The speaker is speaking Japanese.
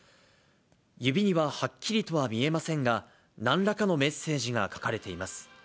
指にははっきりとは見えませんが、なんらかのメッセージが書かれています。